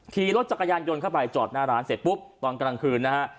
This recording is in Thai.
ขี่รถจักรยานยนต์เข้าไปจอดหน้าร้านเสร็จปุ๊บตอนกลางคืนนะฮะ